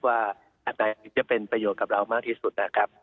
อันไหนจะเป็นประโยชน์กับเรามากที่สุดนะครับ